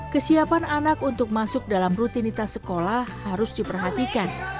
kesiapan anak untuk masuk dalam rutinitas sekolah harus diperhatikan